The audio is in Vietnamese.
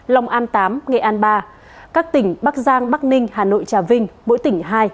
lòng an tám nghệ an ba các tỉnh bắc giang bắc ninh hà nội trà vinh bỗi tỉnh hai